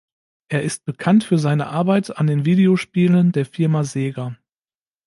Er ist bekannt für seine Arbeit an den Videospielen der Firma Sega.